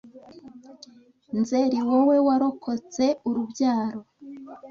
Nzeri wowe warokotse- Urubyaro